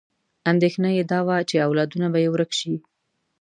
اندېښنه یې دا وه چې اولادونه به یې ورک شي.